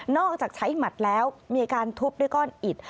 อกจากใช้หมัดแล้วมีการทุบด้วยก้อนอิด